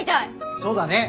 そうだね。